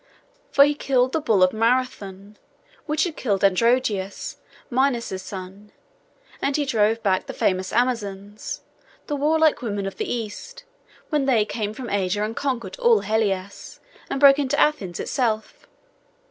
For he killed the bull of Marathon, which had killed Androgeos, Minos' son; and he drove back the famous Amazons, the warlike women of the East, when they came from Asia, and conquered all Hellas, and broke into Athens itself.